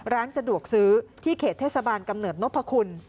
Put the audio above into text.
ร้านสะดวกซื้อที่เขตเทศบาลกำเนิดนพคุณ